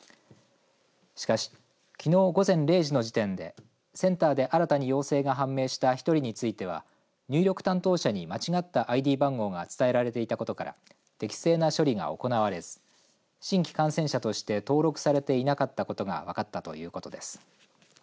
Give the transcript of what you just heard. しかしきのう午前０時の時点でセンターで新たに陽性が判明した１人については入力担当者に間違ったＩＤ番号が伝えられていたことから適正な処理が行われず新規感染者として登録されていなかったことが分かったということです。